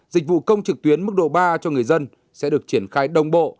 dịch vụ công trực tuyến mức độ ba cho người dân sẽ được triển khai đồng bộ